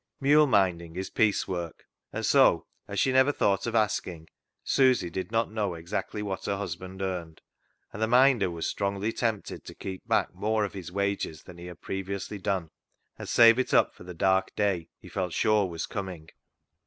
Mule minding is piecework, and so, as she never thought of asking, Susy did not know exactly what her husband earned, and the Minder was strongly tempted to keep back i68 CLOG SHOP CHRONICLES more of his wages than he had previously done, and save it up for the dark day he felt sure was coming.